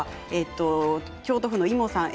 京都府の方ですか。